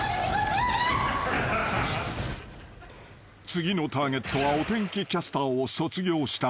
［次のターゲットはお天気キャスターを卒業した］